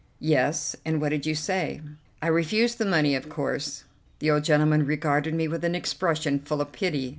"Yes, and what did you say?" "I refused the money, of course." The old gentleman regarded me with an expression full of pity.